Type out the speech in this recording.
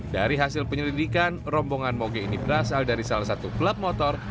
dari hasil penyelidikan rombongan moge ini berasal dari salah satu klub motor